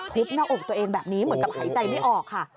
สิภ์ภูมิลับอบตัวเองแบบนี้เหมือนกับหายใจไม่ออกค่ะ